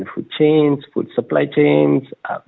terutama dalam perusahaan makanan